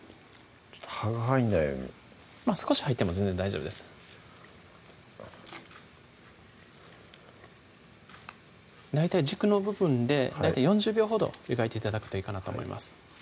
葉が入んないように少し入っても全然大丈夫です大体軸の部分で４０秒ほど湯がいて頂くといいかなと思います